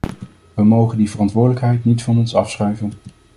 We mogen die verantwoordelijkheid niet van ons afschuiven.